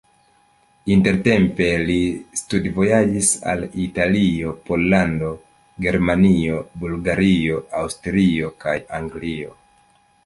Intertempe li studvojaĝis al Italio, Pollando, Germanio, Bulgario, Aŭstrio kaj Anglio.